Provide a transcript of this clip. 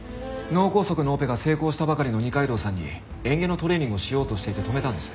脳梗塞のオペが成功したばかりの二階堂さんに嚥下のトレーニングをしようとしていて止めたんです。